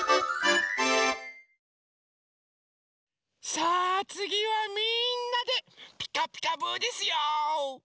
さあつぎはみんなで「ピカピカブ！」ですよ。